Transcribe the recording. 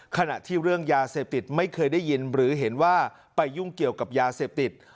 ขณะที่เรื่องยาเสพติดไม่เคยได้ยินหรือเห็นว่าไปยุ่งเกี่ยวกับยาเสพติด